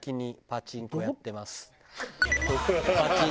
「パチンコやってます有吉」。